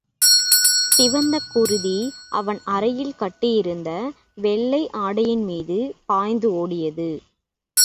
சிவந்த குருதி அவன் அரையில் கட்டியிருந்த வெள்ளை ஆடையின் மீது பாய்ந்து ஓடியது.